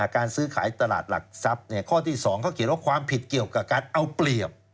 การซื้อขายตลาดหลักทรัพย์ข้อที่๒เขาเขียนว่าความผิดเกี่ยวกับการเอาเปรียบ